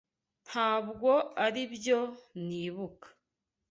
Ntabwo aribyo nibuka.